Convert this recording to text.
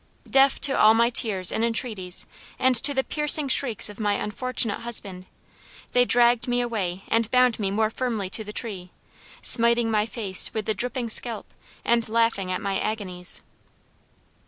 Deaf to all my tears and entreaties and to the piercing shrieks of my unfortunate husband, they dragged me away and bound me more firmly to the tree, smiting my face with the dripping scalp and laughing at my agonies.